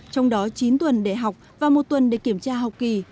trong đó chín tuần để học và một tuần để kiểm tra học kỳ